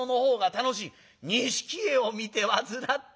錦絵を見て煩った。